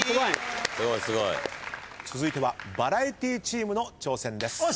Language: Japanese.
続いてはバラエティチームの挑戦です。